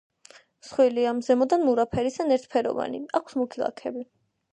მსხვილია, ზემოდან მურა ფერის ან ერთფეროვანი, აქვს მუქი ლაქები.